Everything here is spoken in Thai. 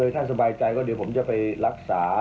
ถ้าสบายใจก็เดี๋ยวผมจะไปรักษา